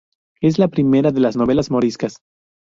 Es la primera de las novelas moriscas.